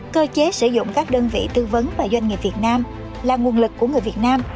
cơ chế sử dụng các đơn vị tư vấn và doanh nghiệp việt nam là nguồn lực của người việt nam